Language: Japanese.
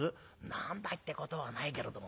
「何だってことはないけれどもね